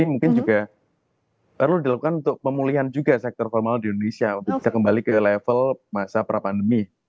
mungkin juga perlu dilakukan untuk pemulihan juga sektor formal di indonesia untuk bisa kembali ke level masa pra pandemi